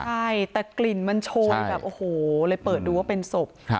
ใช่แต่กลิ่นมันโชยแบบโอ้โหเลยเปิดดูว่าเป็นศพ